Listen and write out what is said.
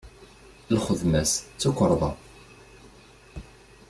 Lxedma-s d tukarḍa.